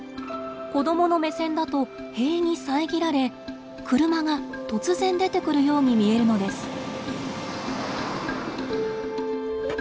子どもの目線だと塀に遮られ車が突然出てくるように見えるのです。